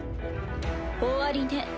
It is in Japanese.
終わりね